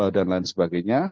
dan lain sebagainya